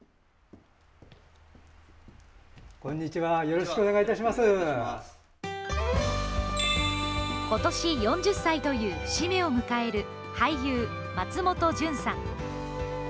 こんにちは、ことし４０歳という節目を迎える、俳優、松本潤さん。